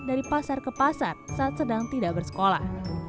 dari pasar ke pasar saat sedang tidak bersekolah